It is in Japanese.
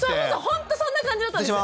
ほんとそんな感じだったんですよ。